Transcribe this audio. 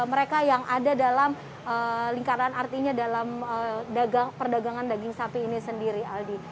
mereka yang ada dalam lingkaran artinya dalam perdagangan daging sapi ini sendiri aldi